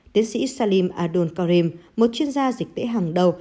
tiến sĩ salim adolkarim một chuyên gia dịch tễ hàng đầu